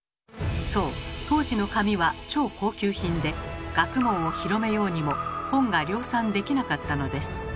そう当時の紙は超高級品で学問を広めようにも本が量産できなかったのです。